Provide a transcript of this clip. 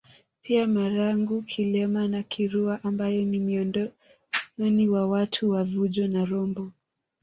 Pia Marangu Kilema na Kirua ambayo ni miondoni wa watu wa vunjo na rombo